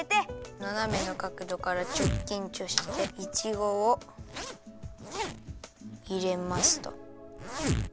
ななめのかくどからちょっきんちょしていちごをいれますと。